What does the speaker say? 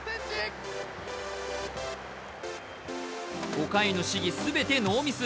５回の試技、全てノーミス。